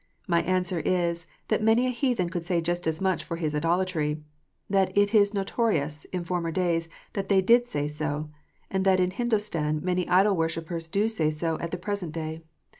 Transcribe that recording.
My answer is, that many a heathen could say just as much for his idolatry; that it is notorious, in former days, that they did say so ; and that in Hindostan many idol worshippers do say so at the present day.